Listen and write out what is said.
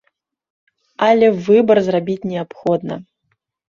Але выбар зрабіць неабходна.